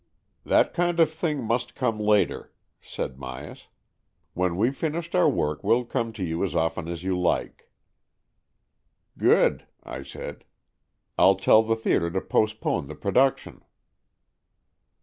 " That kind of thing must come later," said Myas. " When we've finished our work we'll come to you as often as you like." 79 80 AN EXCHANGE OF SOULS " Good/^ I said. " Fll tell the theatre to postpone the production."